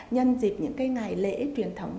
nhân dịp những cái ngày lễ truyền thống